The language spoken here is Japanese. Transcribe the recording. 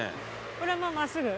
これもう真っすぐ？